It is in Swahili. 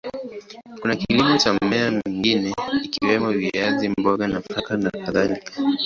Kuna kilimo cha mimea mingine ikiwemo viazi, mboga, nafaka na kadhalika.